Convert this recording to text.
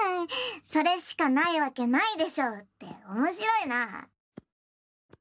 「それしかないわけないでしょう」っておもしろいな。